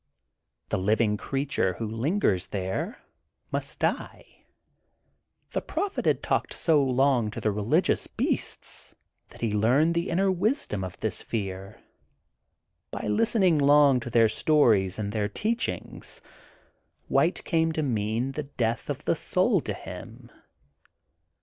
The living creature who lingers there must die. The prophet had 254 THE GOLDEN BOOK OF SPRINGFIELD talked so long to the religious beasts that he learned the inner wisdom of this fear. By lis tening long to their stories and their teach ingSy white came to mean the death of the soul to him.